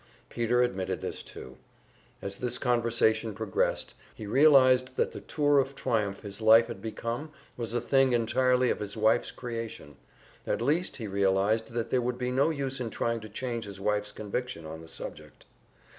Peter admitted this too. As this conversation progressed, he realized that the tour of triumph his life had become was a thing entirely of his wife's creation; at least, he realized that there would be no use in trying to change his wife's conviction on the subject.